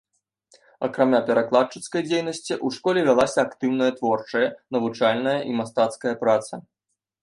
Акрамя перакладчыцкай дзейнасці, у школе вялася актыўная творчая, навучальная і мастацкая праца.